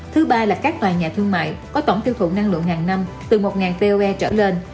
thứ ba là các tòa nhà thương mại có tổng tiêu thụ năng lượng hàng năm từ một po trở lên